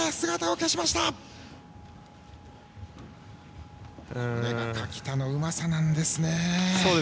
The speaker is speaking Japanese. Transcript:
これが垣田のうまさなんですね。